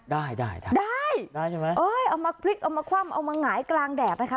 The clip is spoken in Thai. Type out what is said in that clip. ได้ได้เอามาพลิกเอามาคว่ำเอามาหงายกลางแดดนะคะ